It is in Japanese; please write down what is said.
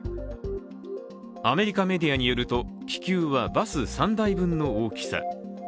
アメリカメディアによると気球はバス３台分の大きさ。